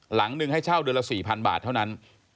หลังหนึ่งให้เช่าเดือนละ๔๐๐บาทเท่านั้น